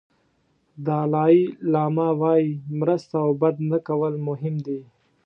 دالای لاما وایي مرسته او بد نه کول مهم دي.